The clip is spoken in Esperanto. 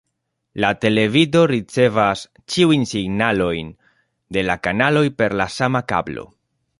La televido ricevas ĉiujn signalojn de la kanaloj per la sama kablo.